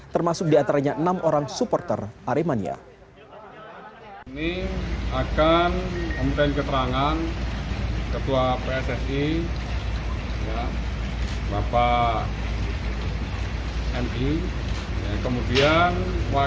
termasuk diantaranya enam orang supporter aremania